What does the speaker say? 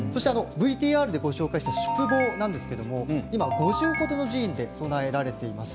ＶＴＲでご紹介した宿坊なんですが今５０程の寺院で供えられています。